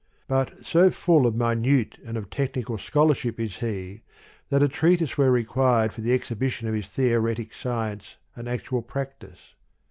But so full of mi nute and of technical scholarship is he, that a treatise were required for the exhibition of his theoretic science and actual practice.